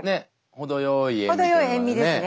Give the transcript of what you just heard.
程よい塩味ですね。